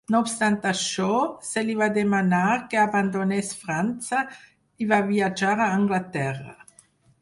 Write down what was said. No obstant això, se li va demanar que abandonés França, i va viatjar a Anglaterra.